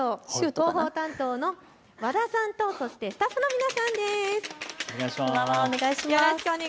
広報担当の和田さんとスタッフの皆さんです。